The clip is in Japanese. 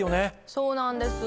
そうなんです。